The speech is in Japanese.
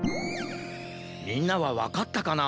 みんなはわかったかな？